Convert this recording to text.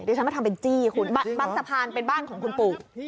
ดิฉันมาทำเป็นจี้บ้านสะพานเป็นบ้านของคุณปลูก